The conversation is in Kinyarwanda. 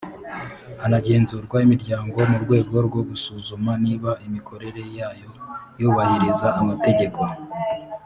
hanagenzurwa imiryango mu rwego rwo gusuzuma niba imikorere yayo yubahiriza amategeko